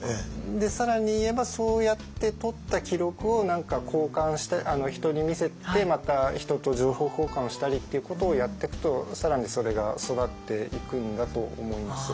更に言えばそうやって取った記録を交換して人に見せてまた人と情報交換をしたりっていうことをやってくと更にそれが育っていくんだと思います。